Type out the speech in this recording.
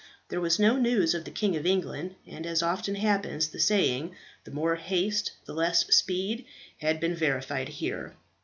There was no news of the King of England; and, as often happens, the saying "the more haste the less speed," had been verified here.